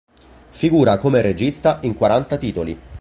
Figura come regista in quaranta titoli.